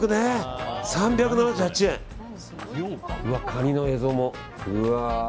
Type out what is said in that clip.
カニの映像も、うわ。